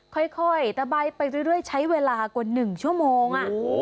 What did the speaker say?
ค่อยตะใบไปเรื่อยใช้เวลากว่า๑ชั่วโมง